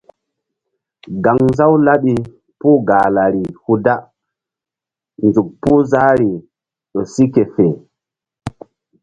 Gaŋnzaw laɓi puh Gahlari hu da nzuk puh zahri ƴo si ke fe.